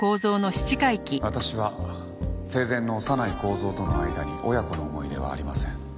私は生前の小山内幸三との間に親子の思い出はありません。